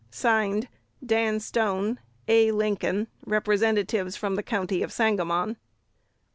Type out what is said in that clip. (Signed) Dan Stone, A. Lincoln, Representatives from the County of Sanqamon.